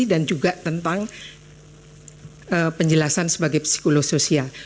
dan juga tentang penjelasan sebagai psikolog sosial